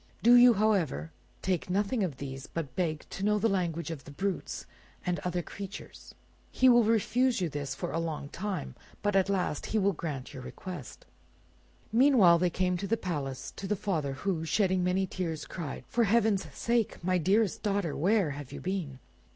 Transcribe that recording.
Do you, however, take nothing of these, but beg to know the language of the brutes and other creatures. He will refuse you this for a long time, but at last he will grant your request." Meanwhile they came to the palace, to the father, who, shedding many tears, cried— "For heaven's sake! my dearest daughter, where have you been?"